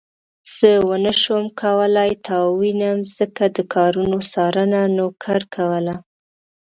زه ونه شوم کولای تا ووينم ځکه د کارونو څارنه نوکر کوله.